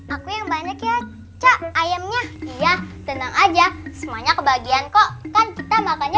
aku yang banyak ya ayamnya ya tenang aja semuanya kebahagiaan kok kan kita makannya